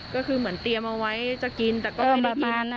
ก็คือเหมือนเตรียมเอาไว้จะกินแต่ก็ไม่ได้กิน